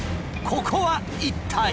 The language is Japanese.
ここは一体？